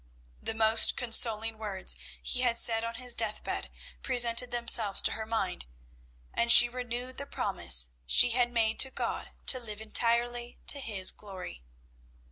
The most consoling words he had said on his deathbed presented themselves to her mind, and she renewed the promise she had made to God to live entirely to His glory.